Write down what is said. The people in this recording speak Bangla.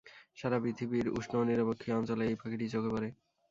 সারা পৃথিবীর উষ্ণ ও নিরক্ষীয় অঞ্চলে এই পাখিটি চোখে পড়ে।